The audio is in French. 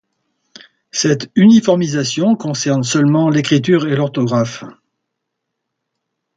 Cette uniformisation concerne seulement l'écriture et l'orthographe.